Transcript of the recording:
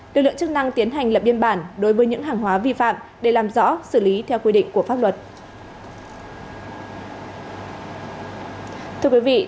lực lượng chức năng tiến hành lập biên bản đối với những hàng hóa vi phạm để làm rõ xử lý theo quy định của pháp luật